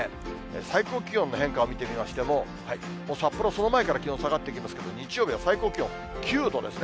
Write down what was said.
最高気温の変化を見てみましても、札幌、その前から気温下がってきますけれども、日曜日は最高気温９度ですね。